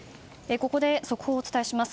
ここで速報をお伝えします。